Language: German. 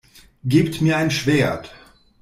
Gebt mir ein Schwert!